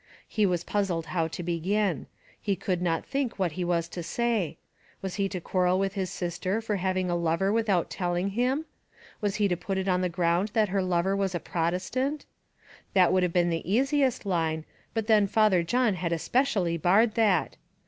He was puzzled how to begin; he could not think what he was to say; was he to quarrel with his sister for having a lover without telling him? was he to put it on the ground that her lover was a Protestant? That would have been the easiest line, but then Father John had especially barred that!